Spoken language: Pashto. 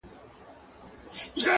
ډېر پخوا سره ټول سوي ډېر مرغان وه!